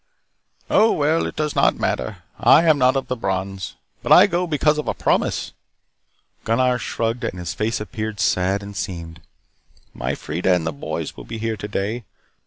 "Oh, well, it does not matter. I am not of the Brons, but I go because of a promise." Gunnar shrugged and his face appeared sad and seamed. "My Freida and the boys will be here today.